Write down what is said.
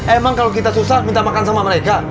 emang kalau kita susah minta makan sama mereka